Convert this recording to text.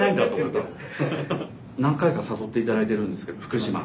何回か誘って頂いてるんですけど福島。